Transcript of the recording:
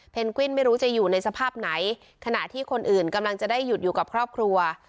วิ้นไม่รู้จะอยู่ในสภาพไหนขณะที่คนอื่นกำลังจะได้หยุดอยู่กับครอบครัว